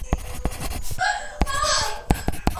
لویي د خدای ده.